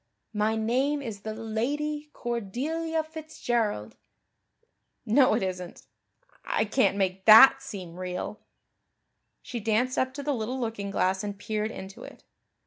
My name is the Lady Cordelia Fitzgerald. No, it isn't I can't make that seem real." She danced up to the little looking glass and peered into it.